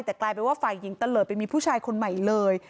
แต่กลายเป็นว่าฝ่ายหญิงตะเลิศไปมีผู้ชายคนใหม่เลย